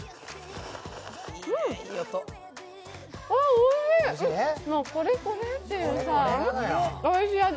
おいしい、これこれっていうさ、おいしい味。